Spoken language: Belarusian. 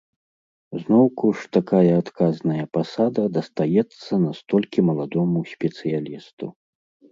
Зноўку ж такая адказная пасада дастаецца настолькі маладому спецыялісту.